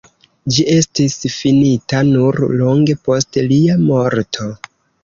Ĝi estis finita nur longe post lia morto.